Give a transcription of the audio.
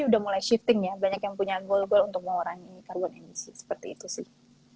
jadi udah mulai shifting ya banyak yang punya goal goal untuk mengurangi karbon emisi seperti itu sih